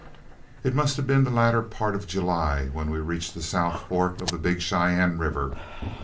It must have been the latter part of July when we reached the South Fork of the Big Cheyenne River.